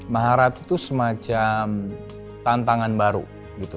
maharap itu semacam tantangan baru gitu